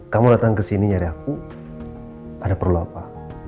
kamu datang ke sini nyari aku ada perlu apa